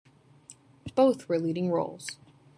Both were leading roles.